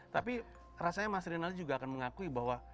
tapi rasanya mas rinaldi juga akan mengakui bahwa